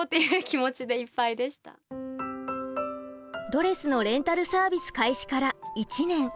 ドレスのレンタルサービス開始から１年。